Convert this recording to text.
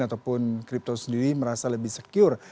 ataupun crypto sendiri merasa lebih secure